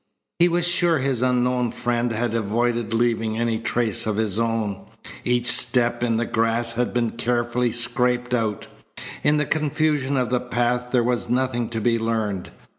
He was sure his unknown friend had avoided leaving any trace of his own. Each step in the grass had been carefully scraped out. In the confusion of the path there was nothing to be learned.